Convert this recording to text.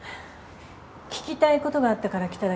聞きたいことがあったから来ただけ。